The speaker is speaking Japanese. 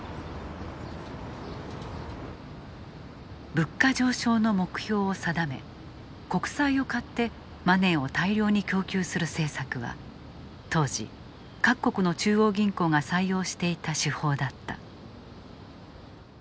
物価上昇の目標を定め国債を買ってマネーを大量に供給する政策は当時、各国の中央銀行が採用していた手法だった。